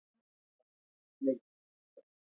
کندهار د افغانستان د شنو سیمو ښکلا ده.